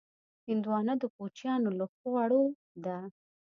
هندوانه د کوچیانو له خوړو ده.